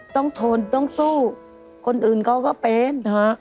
ต้องทนต้องสู้คนอื่นเขาก็เป็น